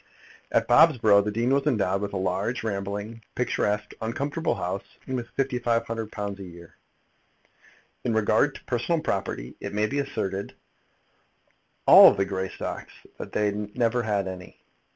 At Bobsborough the dean was endowed with a large, rambling, picturesque, uncomfortable house, and with £1,500 a year. In regard to personal property it may be asserted of all the Greystocks that they never had any.